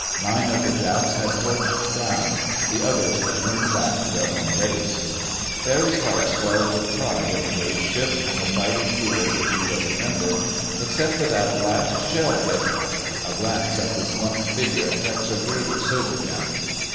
Nine of the Japs had torched down. The others had turned back to their home base. Barry's heart swelled with pride in the great ship and the fighting crew of which he was a member. Except for that last shell hit.... A glance at the slumped figure of Tex O'Grady sobered him.